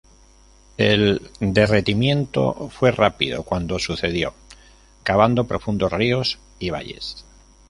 El derretimiento fue rápido cuando sucedió, cavando profundos ríos y valles.